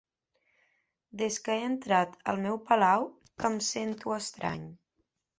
Des que he entrat al meu palau que em sento estrany.